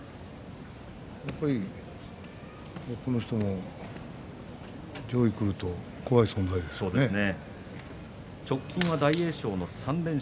やっぱりこの人も上位にくると怖い存在ですね。